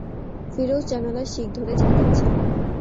ফিরোজ জানালার শিক ধরে ঝাঁকাচ্ছে।